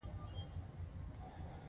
دلته راسه